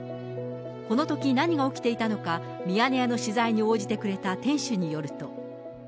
このとき、何が起きていたのか、ミヤネ屋の取材に応じてくれた店主によると。